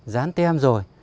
gián tem rồi